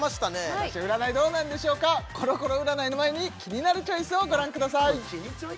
果たして占いどうなるんでしょうコロコロ占いの前にキニナルチョイスをご覧ください